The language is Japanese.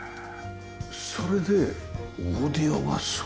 それでオーディオがすごいですよね。